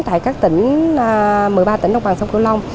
tại các tỉnh một mươi ba tỉnh đông hoàng sông cửu long